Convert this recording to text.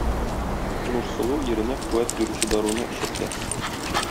Нурсылу иренә куәт бирүче даруны эчертә